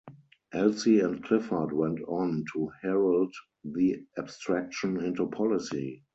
Elsey and Clifford went on to herald the abstraction into policy.